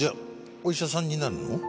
お医者さんになるの？